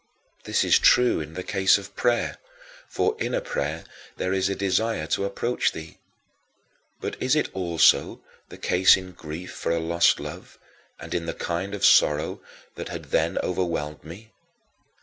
This is true in the case of prayer, for in a prayer there is a desire to approach thee. But is it also the case in grief for a lost love, and in the kind of sorrow that had then overwhelmed me?